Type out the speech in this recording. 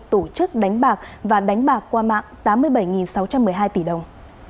tổ chức đánh bạc và đánh bạc qua mạng tám mươi bảy sáu trăm một mươi hai tỷ đồng